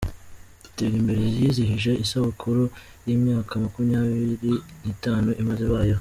Duterimbere yizihije isabukuri y’imyaka makumyabiri nitanu imaze ibayeho